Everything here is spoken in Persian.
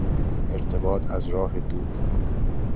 ارتباط از راه دور